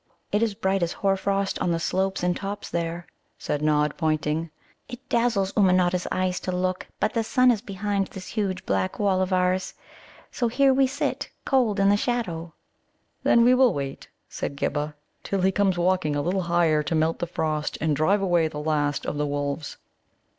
"It is bright as hoarfrost on the slopes and tops there," said Nod, pointing. "It dazzles Ummanodda's eyes to look. But the sun is behind this huge black wall of ours, so here we sit cold in the shadow." "Then we will wait," said Ghibba, "till he come walking a little higher to melt the frost and drive away the last of the wolves."